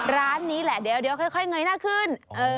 ร้านนี้แหละเดี๋ยวค่อยเงยหน้าขึ้น